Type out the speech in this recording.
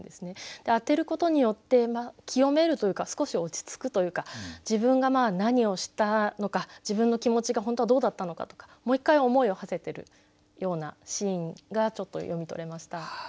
当てることによって清めるというか少し落ち着くというか自分が何をしたのか自分の気持ちが本当はどうだったのかとかもう一回思いをはせてるようなシーンがちょっと読み取れました。